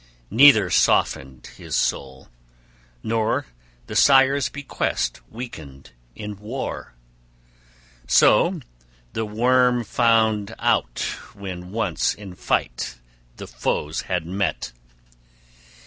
Neither softened his soul, nor the sire's bequest weakened in war. {34b} So the worm found out when once in fight the foes had met!